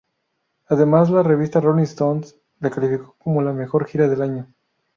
Además, la revista "Rolling Stone" la calificó como la mejor gira del año.